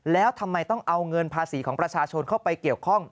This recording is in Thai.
แล้วทำไมต้องเอาเงินภาษีของประชาชนเข้าไปเกี่ยวข้อง